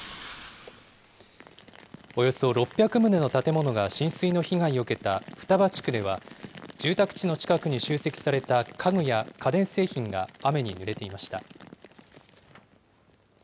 およそ６００棟の建物が浸水の被害を受けた双葉地区では、住宅地の近くに集積された家具や家電製品が雨にぬれていました。